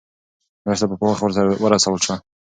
مرسته په وخت ورسول شوه.